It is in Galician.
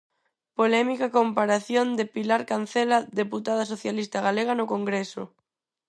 Polémica comparación de Pilar Cancela, deputada socialista galega no Congreso.